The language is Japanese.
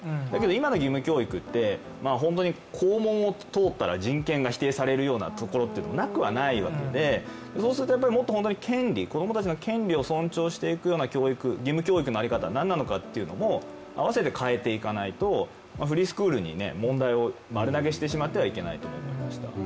今の義務教育って、本当に校門を通ったら人権が否定されるというところもなくはないわけで、そうすると、もっと本当に子供たちの権利を尊重していくような教育、義務教育のあり方はなんなのかということも合わせて変えていかないと、フリースクールに問題を丸投げしてはいけないと思います。